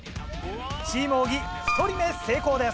チーム小木１人目成功です。